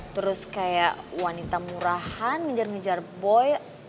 terus kayak wanita murahan ngejar ngejar boy